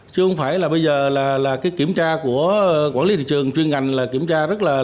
chứ không phải là bây giờ là cái kiểm tra của quản lý thị trường chuyên ngành là kiểm tra rất là